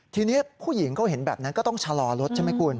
ทีนี้ผู้หญิงเขาเห็นแบบนั้นก็ต้องชะลอรถใช่ไหมคุณ